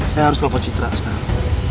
saya harus dapat citra sekarang